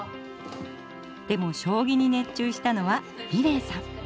でも将棋に熱中したのは美礼さん。